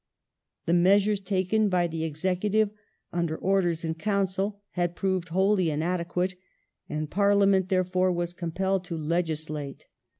The measures taken by the executive under Orders in Council had proved wholly inadequate, and Parliament, therefore, was compelled to legislate.